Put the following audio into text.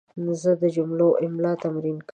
زه د جملو املا تمرین کوم.